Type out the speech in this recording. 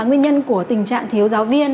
nguyên nhân của tình trạng thiếu giáo viên